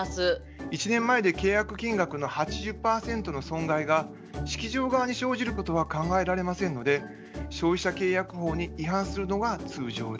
１年前で契約金額の８０％の損害が式場側に生じることは考えられませんので消費者契約法に違反するのが通常です。